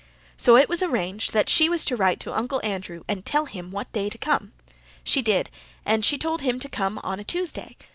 So it was arranged that she was to write Uncle Andrew and tell him what day to come. She did, and she told him to come on a Tuesday.